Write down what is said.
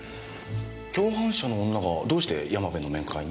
共犯者の女がどうして山部の面会に？